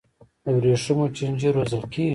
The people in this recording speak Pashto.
د ورېښمو چینجي روزل کیږي؟